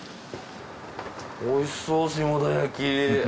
おいしそう下田焼き。